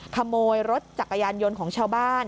ขโมยรถจักรยานยนต์ของชาวบ้าน